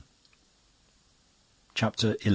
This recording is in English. CHAPTER XI.